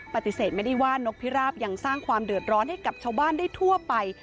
ปฏิเสธไม่ได้ว่านกพิราบยังสร้างความเดือดร้อนให้กับชาวบ้านได้ทั่วไป